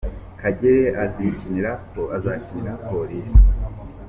Kagere azakinira Police